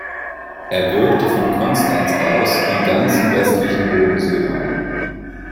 Er wirkte von Konstanz aus im ganzen westlichen Bodenseeraum.